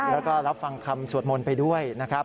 แล้วก็รับฟังคำสวดมนต์ไปด้วยนะครับ